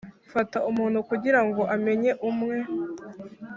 fata umuntu kugirango amenye umwe